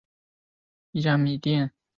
谭家有几百亩田地和一家米店。